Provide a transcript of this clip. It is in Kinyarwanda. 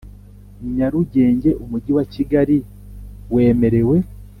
Nyarugenge Umujyi wa Kigali wemerewe